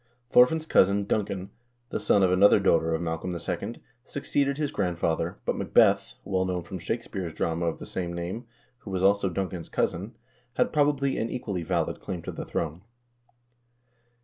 Thorfinn's cousin,3 Duncan, the son of another daughter of Mal colm II., succeeded his grandfather, but Macbeth, well known from Shakespeare's drama of the same name, who was also Duncan's cousin, had, probably, an equally valid claim to the throne.